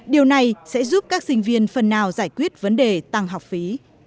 điều này sẽ giúp các sinh viên phần nào giải quyết vấn đề tăng học phí